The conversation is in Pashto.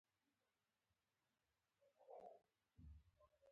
کورس د علمي سیالۍ ډګر دی.